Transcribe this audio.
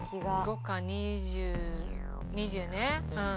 ５か２０２０ねうん。